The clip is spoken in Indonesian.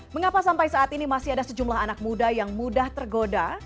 mengapa sampai saat ini masih ada sejumlah anak muda yang mudah tergoda